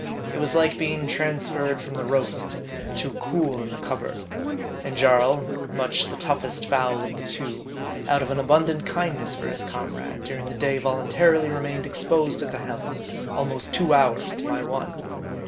It was like being transferred from the roast to cool in the cupboard. And Jarl, much the toughest fowl of the two, out of an abundant kindness for his comrade, during the day volunta rily remained exposed at the helm, almost two hours to my one.